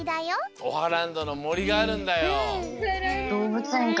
オハランドのもりがあるんだよ。